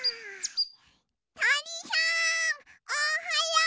とりさんおはよう！